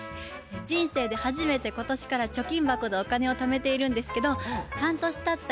人生で初めて今年から貯金箱でお金をためているんですけど半年たった